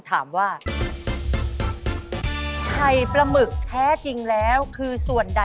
ตายแล้วก่อนนะ